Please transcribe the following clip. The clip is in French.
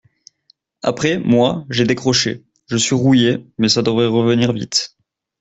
Après, moi, j’ai décroché. Je suis rouillée, mais ça devrait revenir vite